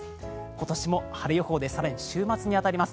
今年も晴れ予報で更に週末に当たります。